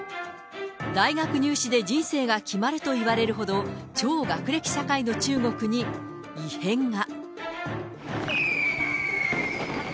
大学入試で人生が決まるといわれるほど、超学歴社会の中国に異変が。